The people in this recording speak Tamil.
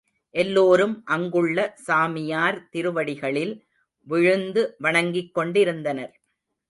எல்லோரும் அங்குள்ள சாமியார் திருவடிகளில் விழுந்து வணங்கிக் கொண்டிருந்தனர்.